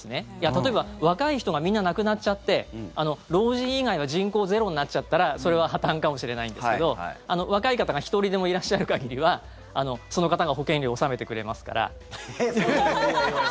例えば、若い人がみんな亡くなっちゃって老人以外は人口ゼロになっちゃったらそれは破たんかもしれないんですけど若い方が１人でもいらっしゃる限りはその方が保険料納めてくれますから。